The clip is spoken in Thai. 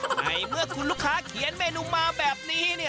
ในเมื่อคุณลูกค้าเขียนเมนูมาแบบนี้เนี่ย